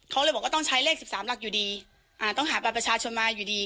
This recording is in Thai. เขาเลยบอกว่าต้องใช้เลข๑๓หลักอยู่ดีต้องหาบัตรประชาชนมาอยู่ดี